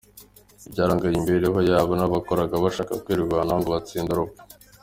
Ibi byarangaga imibereho yabo n’uko bakoraga bashaka kwirwanaho ngo batsinde urupfu.